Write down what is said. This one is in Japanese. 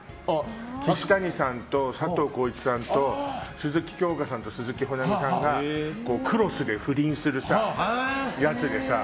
岸谷さんと佐藤浩市さんと鈴木京香さんと鈴木保奈美さんがクロスで不倫するやつでさ。